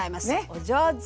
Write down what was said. お上手。